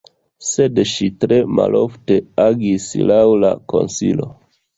Sed ŝi tre malofte agis laŭ la konsilo!